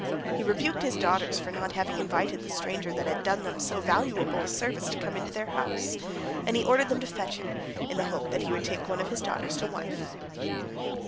" He rebuked his daughters for not having invited the stranger that had done them so valuable a service to come into their house, and he ordered them to fetch him, in the hope that he would take one of his daughters to wife.